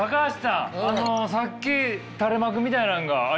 あのさっき垂れ幕みたいなんがありました。